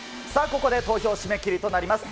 ここで投票締め切りとなります。